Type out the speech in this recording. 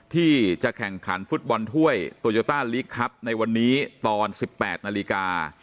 ที่จะแข่งขันฟุตบอลถ้วยโตโยต้าลีกครับในวันนี้ตอน๑๘นาฬิกา